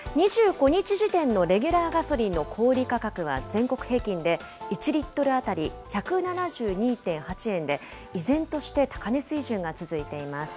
２５日時点のレギュラーガソリンの小売り価格は全国平均で１リットル当たり１７２．８円で、依然として高値水準が続いています。